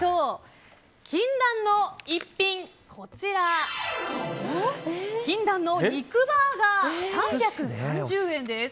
禁断の一品禁断の肉バーガー、３３０円です。